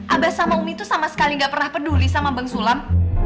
abah sama umi tuh sama sekali gak pernah peduli sama bang sulam